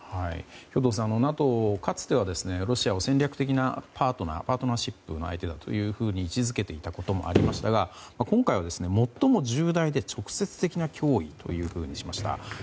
兵頭さん、ＮＡＴＯはかつてはロシアを戦略的なパートナーパートナーシップの相手だと位置づけてきたとありましたが、今回は最も重大で直接的な脅威としました。